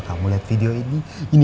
kamu sudah tren